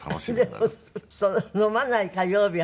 でも飲まない火曜日はもだえ。